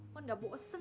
kau gak bosan